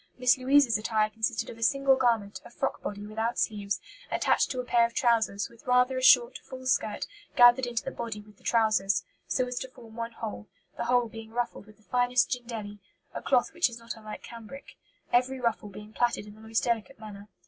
Miss Louisa's attire consisted of a single garment, a frock body without sleeves, attached to a pair of trousers, with rather a short, full skirt gathered into the body with the trousers, so as to form one whole, the whole being ruffled with the finest jindelly, a cloth which is not unlike cambric, every ruffle being plaited in the most delicate manner.